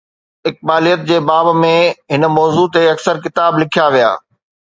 اقباليت جي باب ۾ هن موضوع تي اڪثر ڪتاب لکيا ويا.